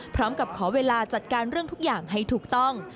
พร้อมกับขอเวลาจัดการเรื่องทุกอย่างให้ถูกต้อง